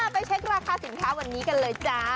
ไปเช็คราคาสินค้าวันนี้กันเลยจ้า